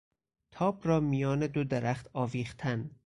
تاب را میان دو درخت آویختن